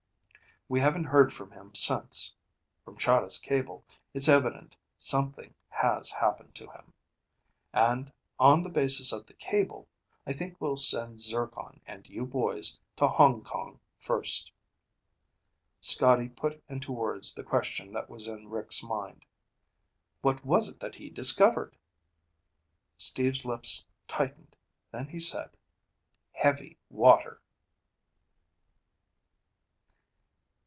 We haven't heard from him since. From Chahda's cable, it's evident something has happened to him. And on the basis of the cable, I think we'll send Zircon and you boys to Hong Kong first." Scotty put into words the question that was in Rick's mind. "What was it that he discovered?" Steve's lips tightened, then he said: "_Heavy water!